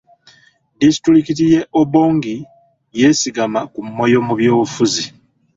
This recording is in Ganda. Disitulikiti y'e Obongi yeesigama ku Moyo mu byobufuzi.